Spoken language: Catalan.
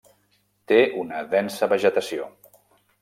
Té una densa vegetació.